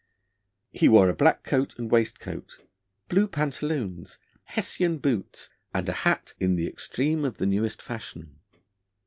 He wore a black coat and waistcoat, blue pantaloons, Hessian boots, and a hat 'in the extreme of the newest fashion.'